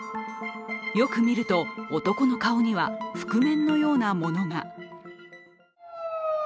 よく見ると、男の顔には覆面のようなものが。